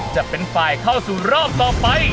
จะเป็นฝ่ายเข้าสู่รอบต่อไป